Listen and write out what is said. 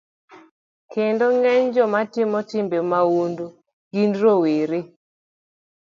Kendo ng'eny joma timo timbe mahundu gin rowere.